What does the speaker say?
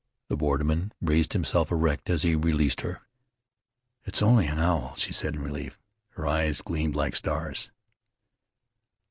The borderman raised himself erect as he released her. "It's only an owl," she said in relief. His eyes gleamed like stars.